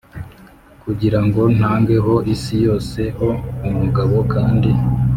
kugira ngo ntangeho isi yose ho umugabo kandi